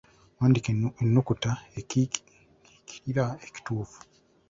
Wandiika ennukuta ekiikirira ekituufu.